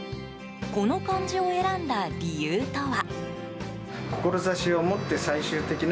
この漢字を選んだ理由とは。